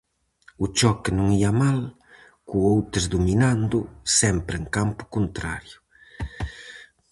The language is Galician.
O choque non ía mal, co Outes dominando, sempre en campo contrario.